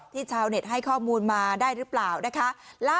ชาวเน็ตให้ข้อมูลมาได้หรือเปล่านะคะ